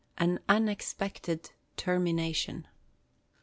AN UNEXPECTED TERMINATION.